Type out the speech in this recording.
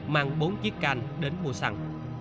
mang bốn chiếc canh đến mua săn